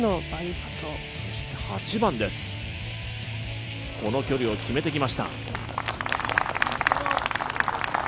８番です、この距離を決めてきました。